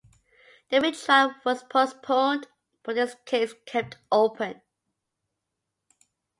The retrial was postponed but the case kept open.